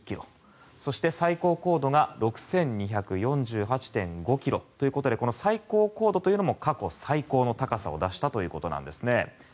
そして最高高度が６２４８．５ｋｍということでこの最高高度というのも過去最高の高さを出したということです。